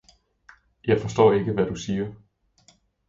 Jeg forstår ikke hvad du siger.